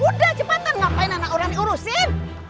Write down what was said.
udah cepetan ngapain anak orang diurusin